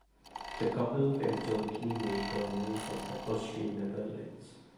The couple were jointly made Governors of the Austrian Netherlands.